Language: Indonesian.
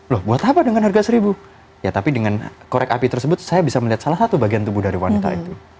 loh buat apa dengan harga seribu ya tapi dengan korek api tersebut saya bisa melihat salah satu bagian tubuh dari wanita itu